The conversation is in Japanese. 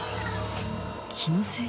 気のせい？